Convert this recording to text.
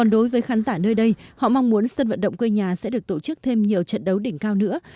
đối với khán giả nơi đây họ mong muốn sân vận động quê nhà sẽ được tổ chức thêm nhiều trận đấu đỉnh cao nữa